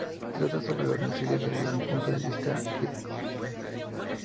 Trata sobre los misiles, desde un punto de vista crítico.